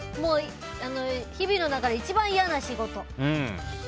日々の中で一番嫌な仕事。